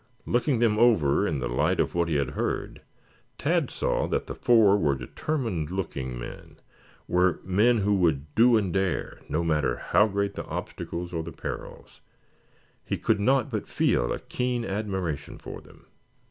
Looking them over in the light of what he had heard, Tad saw that the four were determined looking men, were men who would do and dare, no matter how great the obstacles or the perils. He could not but feel a keen admiration for them.